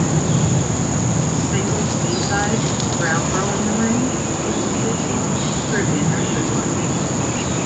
The single's B-side "Brown Girl in the Ring" was a traditional Caribbean nursery rhyme.